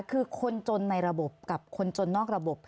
คือคนจนในระบบกับคนจนนอกระบบ